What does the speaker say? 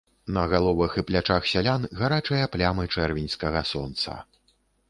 На галовах і плячах сялян гарачыя плямы чэрвеньскага сонца.